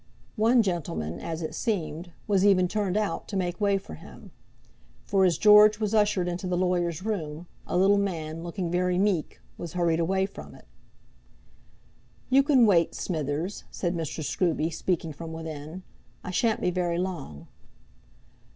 One gentleman, as it seemed, was even turned out to make way for him; for as George was ushered into the lawyer's room, a little man, looking very meek, was hurried away from it. "You can wait, Smithers," said Mr. Scruby, speaking from within. "I shan't be very long."